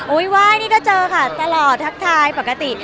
อุ้ยว่ายนี่ก็เจอค่ะตลอดทักทายปกติ